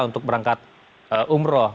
untuk berangkat umroh